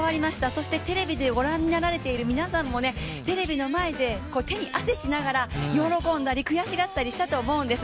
そしてテレビでご覧になられている皆さんも、テレビの前で手に汗しながら喜んだり悔しがったりしたと思うんです。